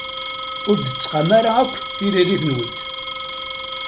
Ur d-tettqam ara akk tririt-nwent.